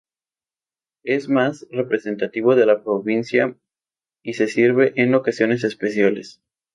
Es el más representativo de la provincia y se sirve en ocasiones especiales.